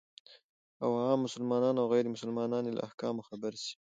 او عام مسلمانان او غير مسلمانان يې له احکامو خبر سي،